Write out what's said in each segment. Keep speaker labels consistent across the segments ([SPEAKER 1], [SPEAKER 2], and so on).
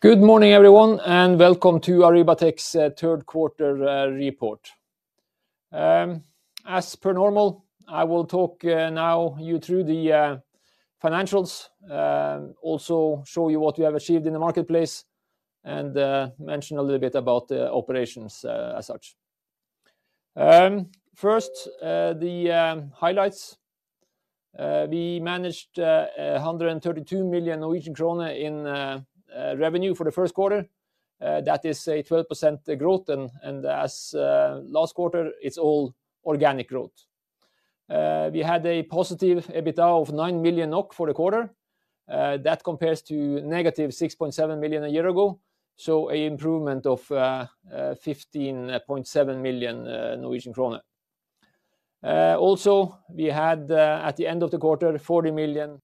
[SPEAKER 1] Good morning, everyone, and welcome to Arribatec's third quarter report. As per normal, I will talk now you through the financials, also show you what we have achieved in the marketplace, and mention a little bit about the operations as such. First, the highlights. We managed 132 million Norwegian krone in revenue for the first quarter. That is a 12% growth, and as last quarter, it's all organic growth. We had a positive EBITDA of 9 million NOK for the quarter. That compares to negative 6.7 million a year ago, so an improvement of 15.7 million Norwegian krone. Also, we had, at the end of the quarter, 40 million.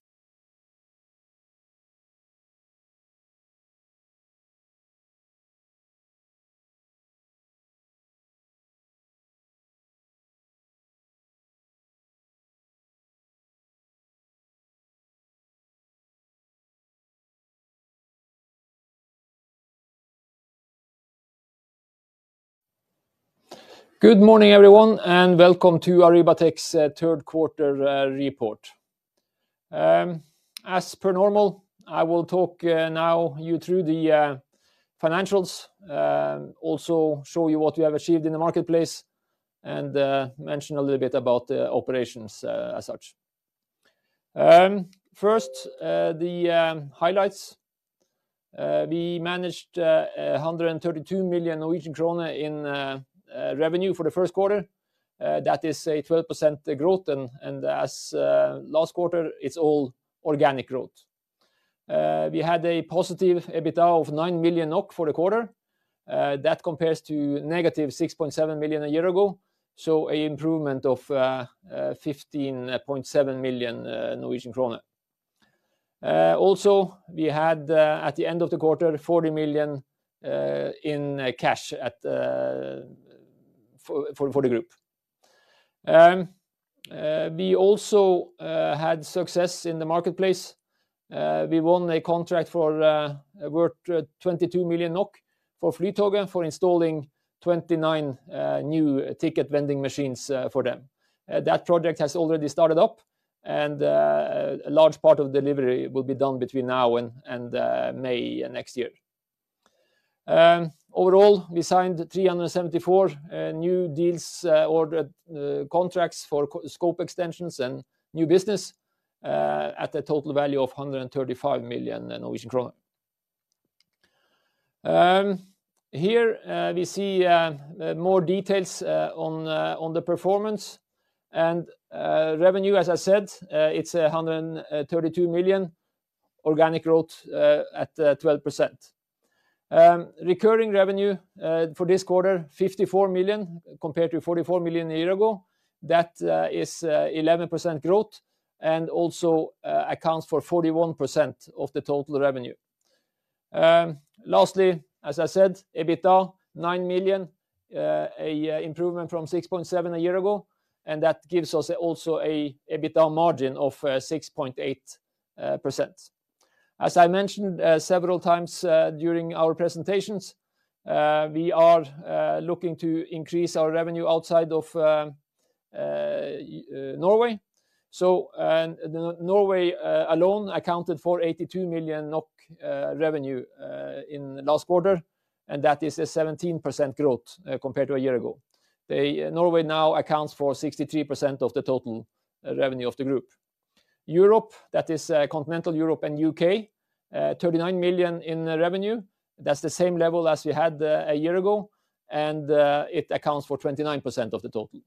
[SPEAKER 1] Good morning, everyone, and welcome to Arribatec's third quarter report. As per normal, I will talk now you through the financials, also show you what we have achieved in the marketplace, and mention a little bit about the operations as such. First, the highlights. We managed 132 million Norwegian krone in revenue for the first quarter. That is a 12% growth and, as last quarter, it's all organic growth. We had a positive EBITDA of 9 million NOK for the quarter. That compares to negative 6.7 million a year ago, so an improvement of 15.7 million Norwegian kroner. Also, we had at the end of the quarter 40 million in cash for the group. We also had success in the marketplace. We won a contract worth 22 million NOK for Flytoget, for installing 29 new ticket vending machines for them. That project has already started up, and a large part of delivery will be done between now and May next year. Overall, we signed 374 new deals, or contracts for scope extensions and new business, at a total value of 135 million Norwegian kroner. Here, we see more details on the performance and revenue. As I said, it's 132 million, organic growth at 12%. Recurring revenue for this quarter, 54 million, compared to 44 million a year ago. That is 11% growth and also accounts for 41% of the total revenue. Lastly, as I said, EBITDA, 9 million, an improvement from 6.7 a year ago, and that gives us also an EBITDA margin of 6.8%. As I mentioned several times during our presentations, we are looking to increase our revenue outside of Norway. So, and Norway alone accounted for 82 million NOK revenue in the last quarter, and that is a 17% growth compared to a year ago. The Norway now accounts for 63% of the total revenue of the group. Europe, that is, continental Europe and U.K., 39 million in revenue. That's the same level as we had a year ago, and it accounts for 29% of the total.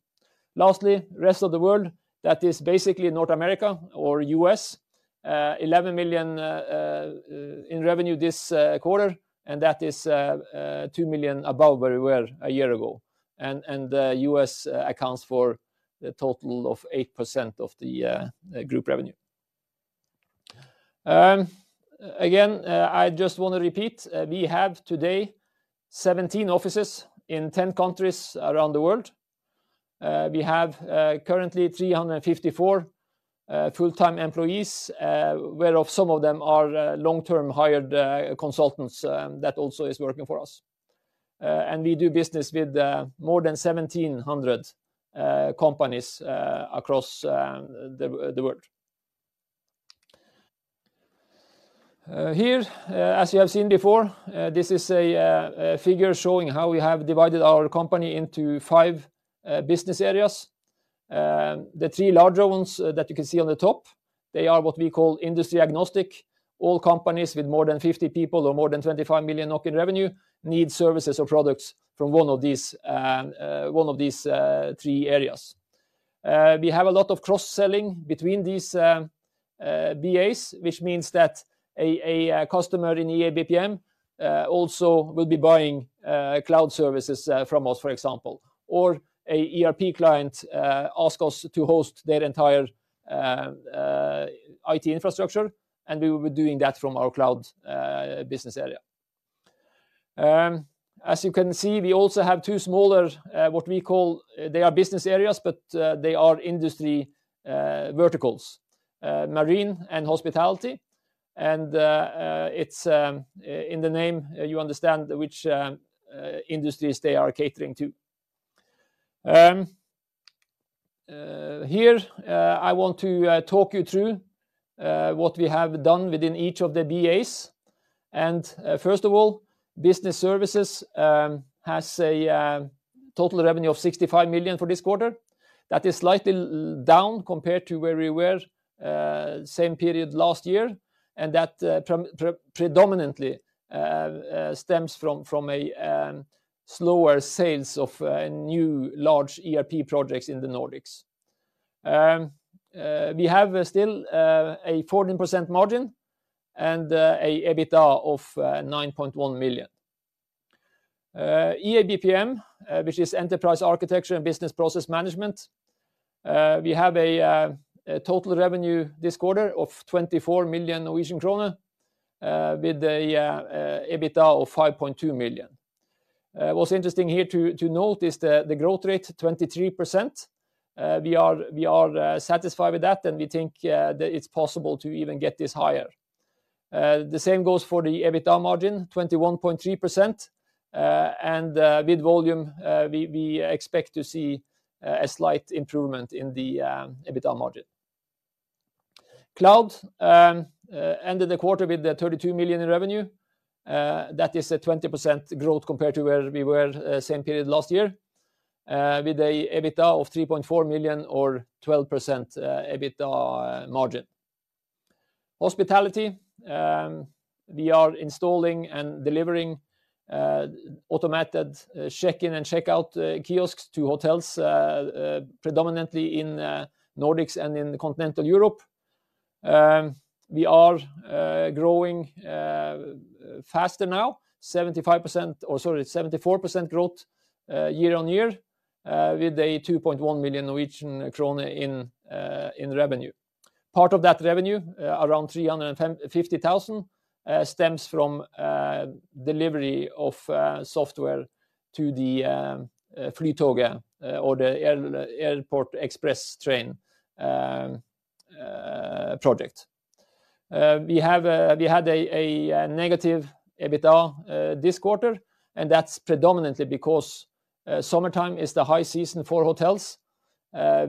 [SPEAKER 1] Lastly, rest of the world, that is basically North America or U.S., 11 million in revenue this quarter, and that is 2 million above where we were a year ago. U.S. accounts for a total of 8% of the group revenue. Again, I just want to repeat, we have today 17 offices in 10 countries around the world. We have currently 354 full-time employees, whereof some of them are long-term hired consultants that also is working for us. And we do business with more than 1,700 companies across the world. Here, as you have seen before, this is a figure showing how we have divided our company into 5 business areas. The three larger ones that you can see on the top, they are what we call industry-agnostic. All companies with more than 50 people or more than 25 million in revenue need services or products from one of these three areas. We have a lot of cross-selling between these BAs, which means that a customer in EA & BPM also will be buying cloud services from us, for example, or a ERP client ask us to host their entire IT infrastructure, and we will be doing that from our cloud business area. As you can see, we also have two smaller what we call business areas, but they are industry verticals, Marine and Hospitality. It's in the name, you understand which industries they are catering to. Here, I want to talk you through what we have done within each of the BAs. First of all, business services has a total revenue of 65 million for this quarter. That is slightly down compared to where we were, same period last year, and that predominantly stems from a slower sales of new large ERP projects in the Nordics. We have still a 14% margin and a EBITDA of 9.1 million. EA & BPM, which is Enterprise Architecture and Business Process Management, we have a total revenue this quarter of 24 million Norwegian krone, with a EBITDA of 5.2 million. What's interesting here to note is the growth rate, 23%. We are satisfied with that, and we think that it's possible to even get this higher. The same goes for the EBITDA margin, 21.3%. With volume, we expect to see a slight improvement in the EBITDA margin. Cloud ended the quarter with 32 million in revenue. That is a 20% growth compared to where we were same period last year, with an EBITDA of 3.4 million or 12% EBITDA margin. Hospitality, we are installing and delivering automated check-in and check-out kiosks to hotels, predominantly in Nordics and in Continental Europe. We are growing faster now, 75 percent, or sorry, 74% growth year-on-year, with 2.1 million Norwegian krone in revenue. Part of that revenue, around 350,000, stems from delivery of software to the Flytoget, or the airport express train project. We had a negative EBITDA this quarter, and that's predominantly because summertime is the high season for hotels,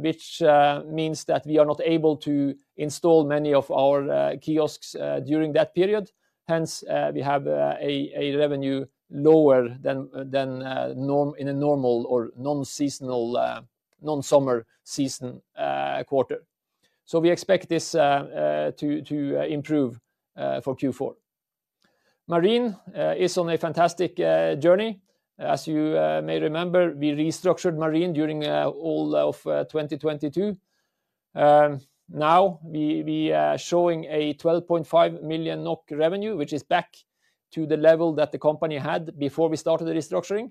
[SPEAKER 1] which means that we are not able to install many of our kiosks during that period. Hence, we have a revenue lower than in a normal or non-seasonal, non-summer season quarter. So we expect this to improve for fourth quarter. Marine is on a fantastic journey. As you may remember, we restructured Marine during all of 2022. Now we are showing 12.5 million NOK revenue, which is back to the level that the company had before we started the restructuring.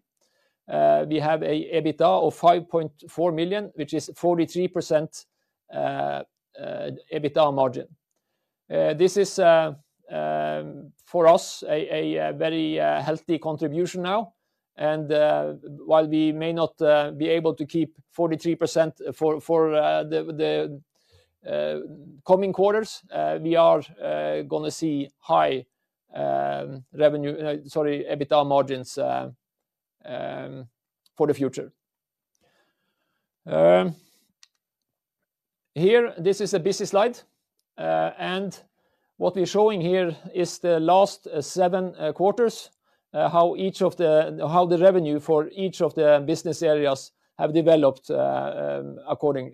[SPEAKER 1] We have an EBITDA of 5.4 million, which is 43%, EBITDA margin. This is, for us, a very healthy contribution now, and, while we may not be able to keep 43% for the coming quarters, we are gonna see high revenue, sorry, EBITDA margins for the future. Here, this is a busy slide, and what we're showing here is the last seven quarters, how each of the—how the revenue for each of the business areas have developed, accordingly.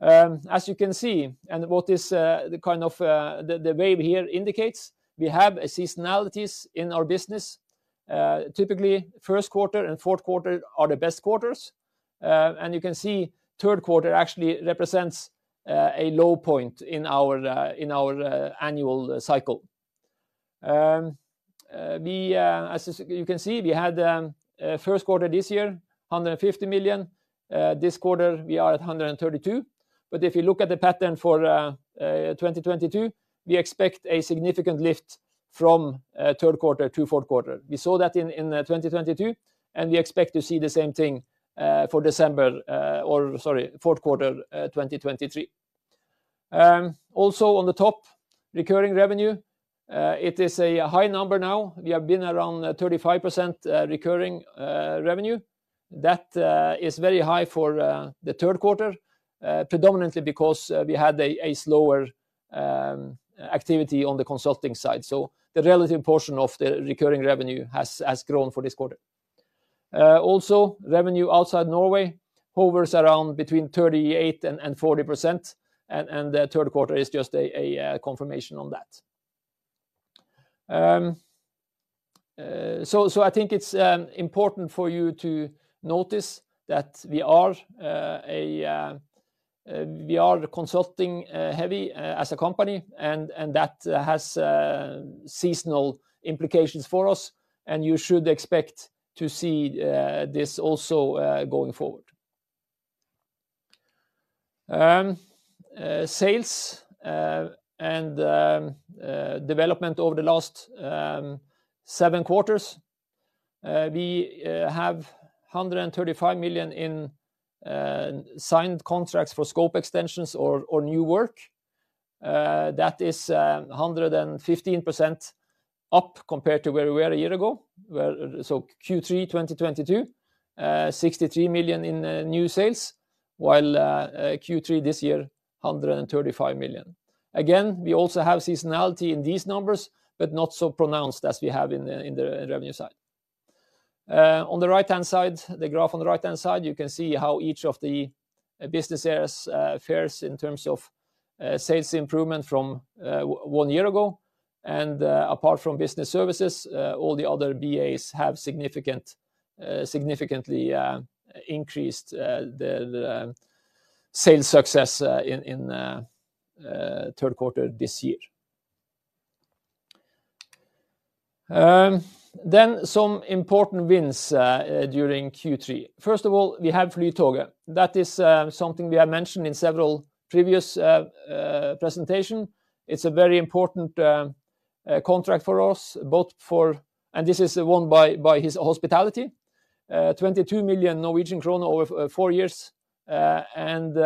[SPEAKER 1] As you can see, what this kind of wave here indicates, we have seasonalities in our business. Typically, first quarter and fourth quarter are the best quarters, and you can see third quarter actually represents a low point in our annual cycle. As you can see, we had first quarter this year, 150 million. This quarter, we are at 132 million. But if you look at the pattern for 2022, we expect a significant lift from third quarter to fourth quarter. We saw that in 2022, and we expect to see the same thing for December, or sorry, fourth quarter, 2023. Also on the top, recurring revenue, it is a high number now. We have been around 35%, recurring, revenue. That is very high for the third quarter, predominantly because we had a slower activity on the consulting side. So the relative portion of the recurring revenue has grown for this quarter. Also, revenue outside Norway hovers around between 38% and 40%, and the third quarter is just a confirmation on that. So I think it's important for you to notice that we are a consulting heavy as a company, and that has seasonal implications for us, and you should expect to see this also going forward. Sales and development over the last seven quarters. We have 135 million in signed contracts for scope extensions or new work. That is 115% up compared to where we were a year ago, where so Third quarter 2022, 63 million in new sales, while Third quarter this year, 135 million. Again, we also have seasonality in these numbers, but not so pronounced as we have in the revenue side. On the right-hand side, the graph on the right-hand side, you can see how each of the business areas fares in terms of sales improvement from one year ago. Apart from Business Services all the other BAs have significantly increased the sales success in third quarter this year. Then some important wins during Third quarter. First of all, we have Flytoget. That is something we have mentioned in several previous presentation. It's a very important contract for us, both for-- and this is won by our Hospitality, 22 million Norwegian krone over four years. And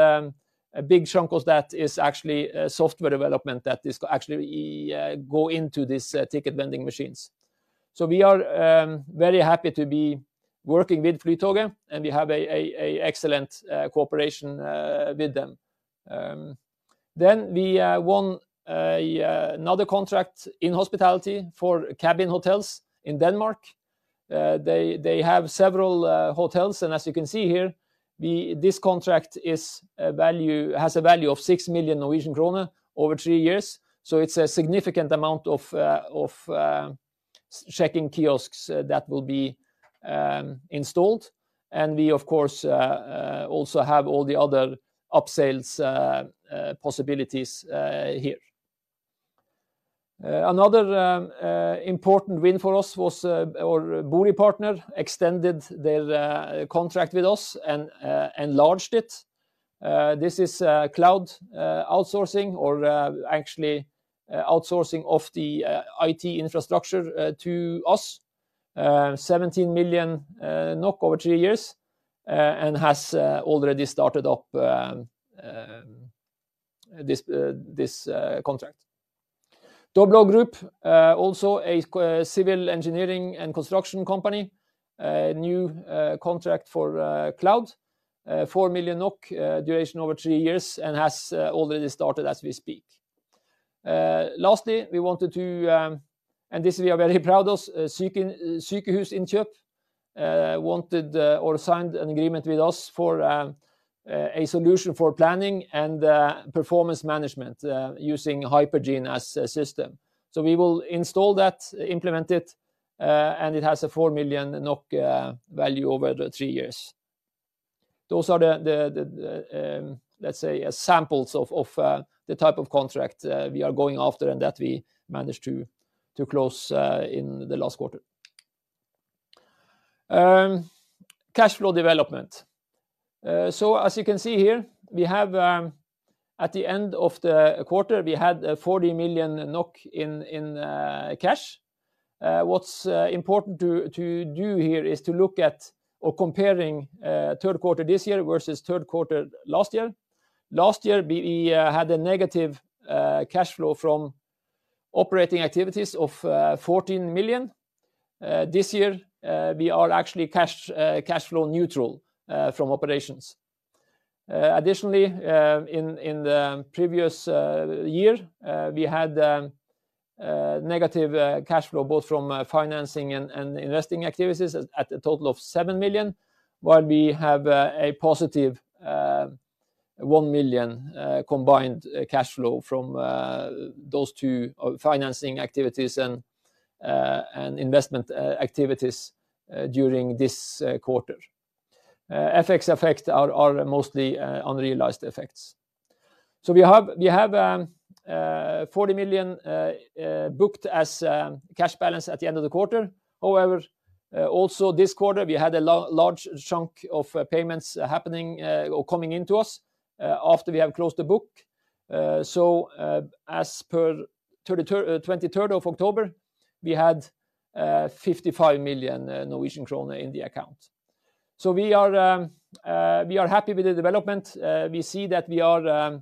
[SPEAKER 1] a big chunk of that is actually software development that actually goes into this ticket vending machines. So we are very happy to be working with Flytoget, and we have an excellent cooperation with them. Then we won another contract in Hospitality for CABINN Hotels in Denmark. They have several hotels, and as you can see here, this contract has a value of 6 million Norwegian krone over three years. So it's a significant amount of check-in kiosks that will be installed. And we, of course, also have all the other upsales possibilities here. Another important win for us was our BORI BBL partner extended their contract with us and enlarged it. This is cloud outsourcing or actually outsourcing of the IT infrastructure to us. Seventeen million NOK over three years, and has already started up this contract. DoblougGruppen, also a civil engineering and construction company, a new contract for cloud, 4 million NOK, duration over three years and has already started as we speak. Lastly, we wanted to, and this we are very proud of, Sykehusinnkjøp signed an agreement with us for a solution for planning and performance management using Hypergene as a system. So we will install that, implement it, and it has a 4 million NOK value over the three years. Those are the, let's say, samples of the type of contract we are going after and that we managed to close in the last quarter. Cash flow development. So as you can see here, we have, at the end of the quarter, we had 40 million NOK in cash. What's important to do here is to look at or comparing third quarter this year versus third quarter last year. Last year, we had a negative cash flow from operating activities of 14 million. This year, we are actually cash flow neutral from operations. Additionally, in the previous year, we had negative cash flow, both from financing and investing activities at a total of 7 million, while we have a positive 1 million combined cash flow from those two financing activities and investment activities during this quarter. FX effects are mostly unrealized effects. So we have 40 million booked as cash balance at the end of the quarter. However, also this quarter, we had a large chunk of payments happening or coming into us after we have closed the book. So, as per 23rd of October, we had 55 million Norwegian kroner in the account. So we are happy with the development. We see that we are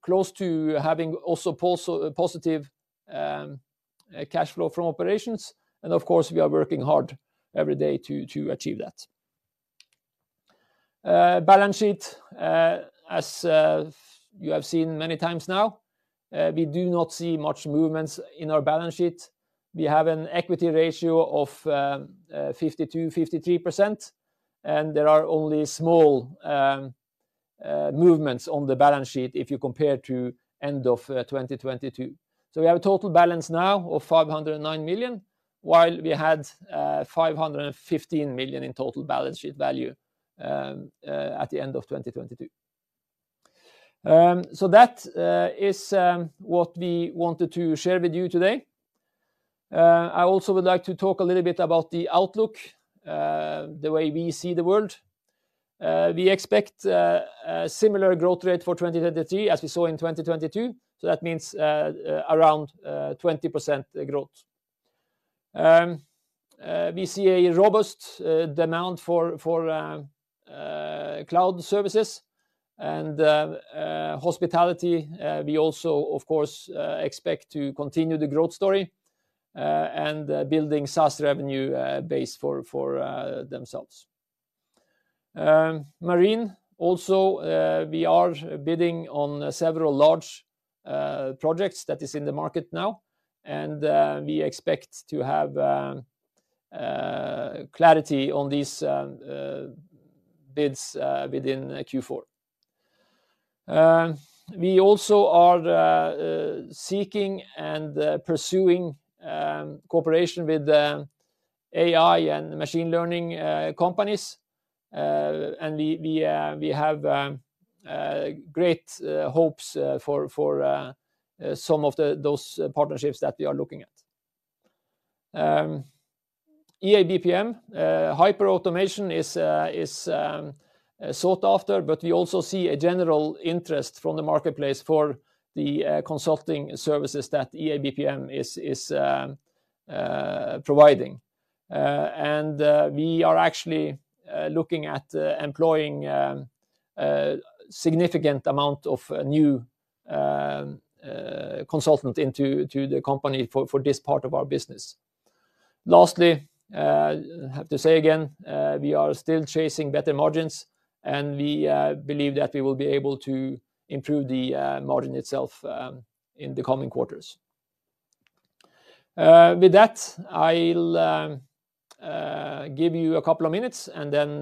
[SPEAKER 1] close to having also positive cash flow from operations, and of course, we are working hard every day to achieve that. Balance sheet, as you have seen many times now, we do not see much movements in our balance sheet. We have an equity ratio of 52%-53%, and there are only small movements on the balance sheet if you compare to end of 2022. So we have a total balance now of 509 million, while we had 515 million in total balance sheet value at the end of 2022. So that is what we wanted to share with you today. I also would like to talk a little bit about the outlook, the way we see the world. We expect a similar growth rate for 2023, as we saw in 2022. So that means around 20% growth. We see a robust demand for cloud services and Hospitality. We also, of course, expect to continue the growth story, and building SaaS revenue base for themselves. Marine also, we are bidding on several large projects that is in the market now, and we expect to have clarity on these bids within fourth quarter. We also are seeking and pursuing cooperation with AI and Machine Learning companies. And we have great hopes for some of those partnerships that we are looking at. EA & BPM hyperautomation is sought after, but we also see a general interest from the marketplace for the consulting services that EA & BPM is providing. We are actually looking at employing a significant amount of new consultant into the company for this part of our business. Lastly, I have to say again, we are still chasing better margins, and we believe that we will be able to improve the margin itself in the coming quarters. With that, I'll give you a couple of minutes and then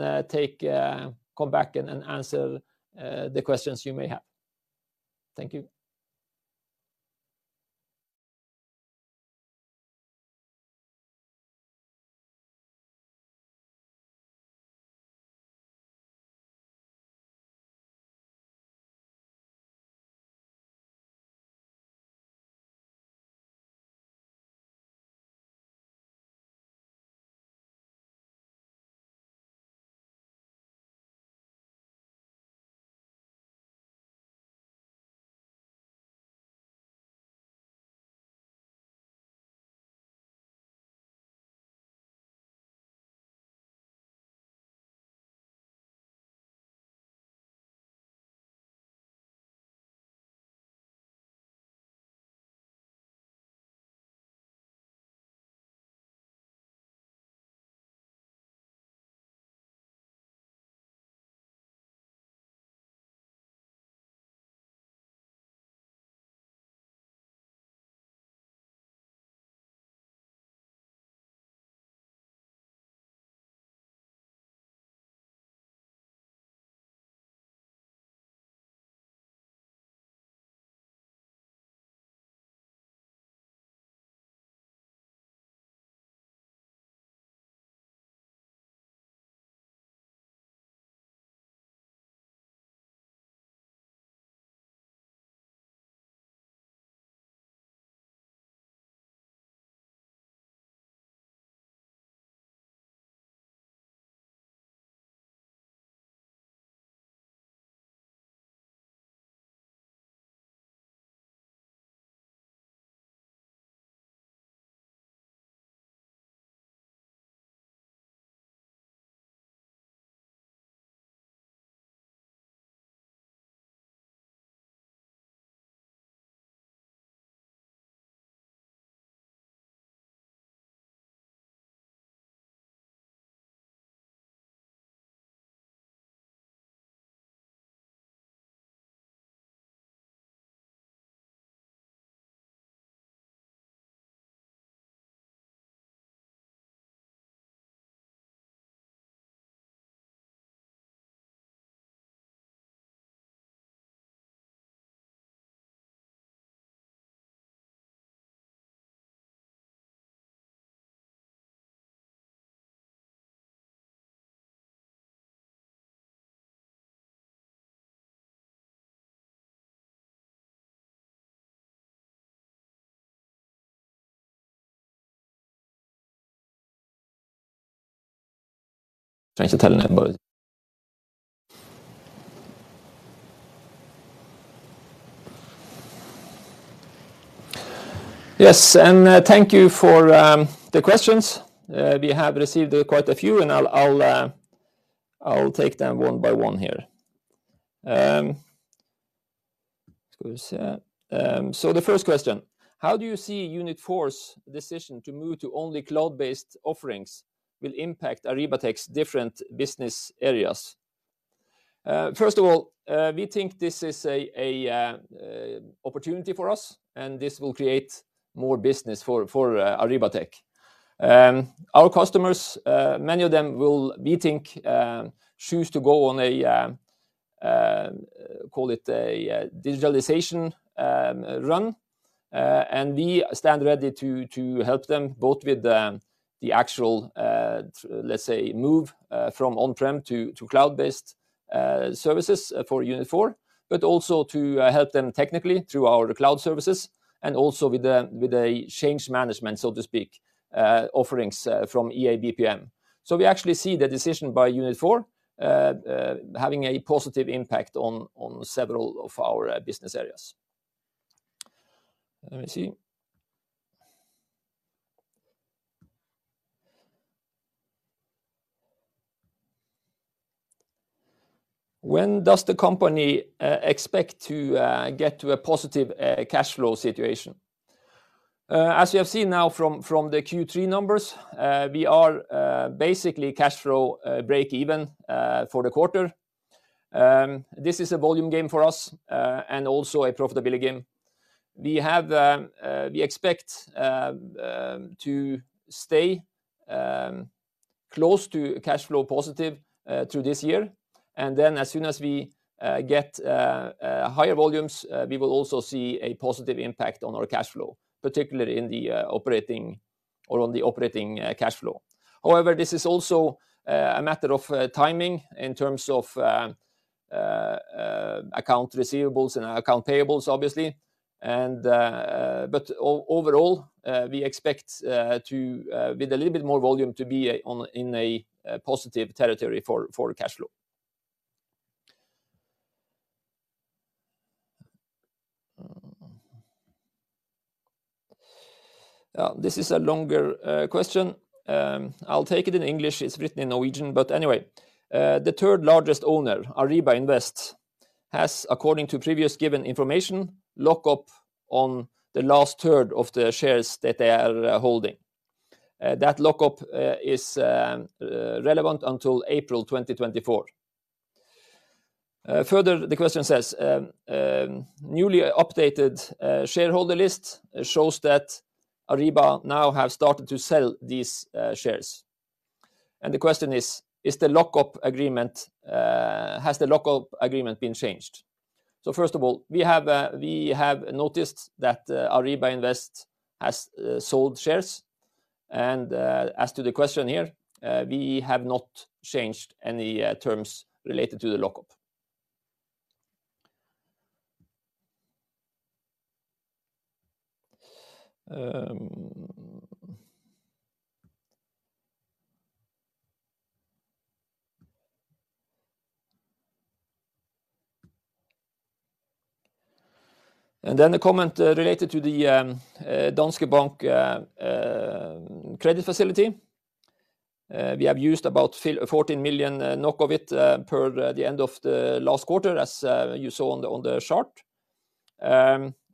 [SPEAKER 1] come back and answer the questions you may have. Thank you. Yes, and thank you for the questions. We have received quite a few, and I'll take them one by one here. The first question: How do you see Unit4's decision to move to only cloud-based offerings will impact Arribatec's different business areas? First of all, we think this is an opportunity for us, and this will create more business for Arribatec. Our customers, many of them will, we think, choose to go on a, call it a, digitalization run. And we stand ready to help them both with the actual, let's say, move from on-prem to cloud-based services for Unit4, but also to help them technically through our cloud services and also with a change management, so to speak, offerings from EA & BPM. So we actually see the decision by Unit4 having a positive impact on several of our business areas. Let me see. When does the company expect to get to a positive cash flow situation? As you have seen now from the Third quarter numbers, we are basically cash flow break even for the quarter this is a volume game for us and also a profitability game. We expect to stay close to cash flow positive through this year. And then as soon as we get higher volumes, we will also see a positive impact on our cash flow, particularly in the operating cash flow. However, this is also a matter of timing in terms of account receivables and account payables, obviously. But overall, we expect with a little bit more volume to be in a positive territory for cash flow. This is a longer question. I'll take it in English. It's written in Norwegian, but anyway, the third largest owner, Arriba Invest, has, according to previous given information, lock-up on the last third of the shares that they are holding. That lockup is relevant until April twenty twenty-four. Further, the question says, newly updated shareholder list shows that Arriba now have started to sell these shares. And the question is: "Is the lockup agreement, has the lockup agreement been changed?" So first of all, we have noticed that Arriba Invest has sold shares. And, as to the question here, we have not changed any terms related to the lockup. And then the comment related to the Danske Bank credit facility. We have used about 14 million NOK of it per the end of the last quarter, as you saw on the chart.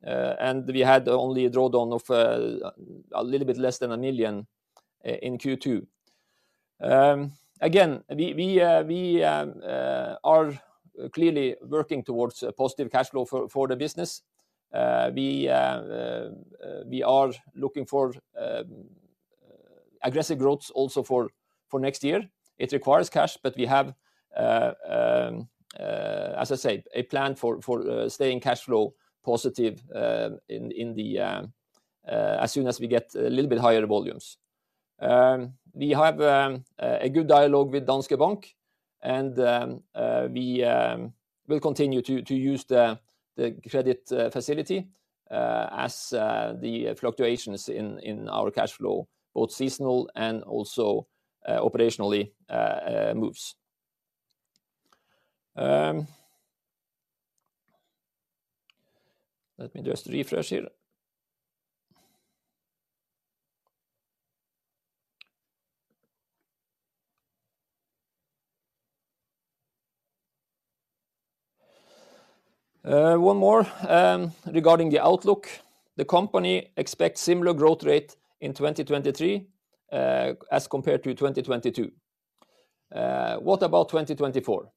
[SPEAKER 1] And we had only a drawdown of a little bit less than 1 million in Second quarter. Again, we are clearly working towards a positive cash flow for the business. We are looking for aggressive growth also for next year. It requires cash, but we have, as I said, a plan for staying cash flow positive as soon as we get a little bit higher volumes. We have a good dialogue with Danske Bank, and we will continue to use the credit facility as the fluctuations in our cash flow, both seasonal and also moves. Let me just refresh here. One more regarding the outlook. The company expects similar growth rate in 2023 as compared to 2022. What about 2024?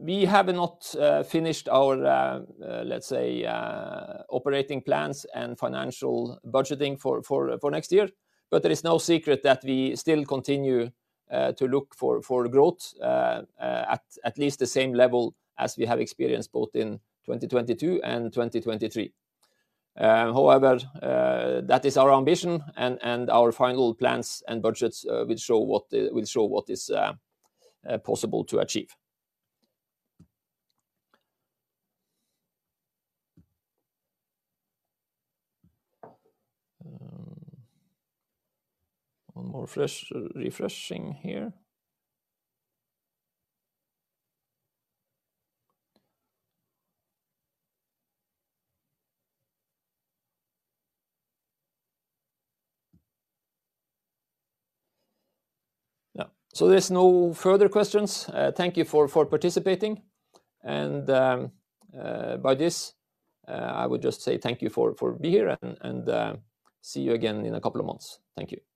[SPEAKER 1] We have not finished our, let's say, operating plans and financial budgeting for next year, but there is no secret that we still continue to look for growth at least the same level as we have experienced both in 2022 and 2023. However, that is our ambition, and our final plans and budgets will show what is possible to achieve. One more refreshing here. Yeah. There's no further questions. Thank you for participating, and by this, I would just say thank you for be here and see you again in a couple of months. Thank you.